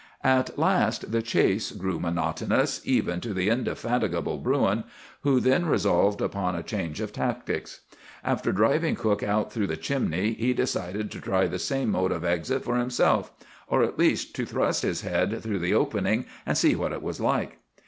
"At last the chase grew monotonous even to the indefatigable Bruin, who then resolved upon a change of tactics. After driving cook out through the chimney, he decided to try the same mode of exit for himself, or at least to thrust his head through the opening, and see what it was like.